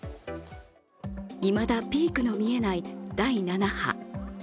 いまだピークの見えない第７波。